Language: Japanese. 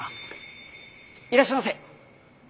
いらっしゃいませ。